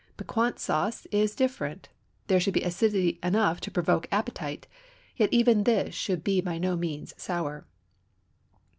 Piquante sauce is different; there should be acidity enough to provoke appetite; yet even this should be by no means sour.